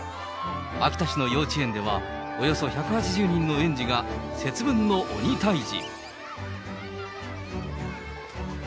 秋田市の幼稚園では、およそ１８０人の園児が、節分の鬼退治。